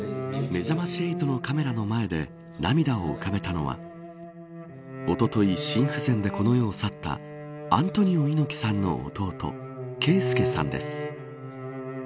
めざまし８のカメラの前で涙を浮かべたのはおととい心不全でこの世を去ったアントニオ猪木さんの弟啓介さんです。